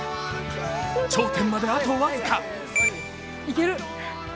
頂点まで、あと僅か。